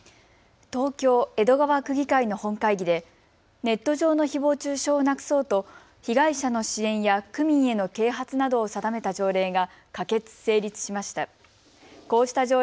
東京江戸川区議会の本会議でネット上のひぼう中傷をなくそうと被害者の支援や区民への啓発などを定めた条例が可決・成立しました。